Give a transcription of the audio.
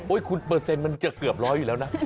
คุณเปอร์เซ็นต์มันจะเกือบร้อยอยู่แล้วนะ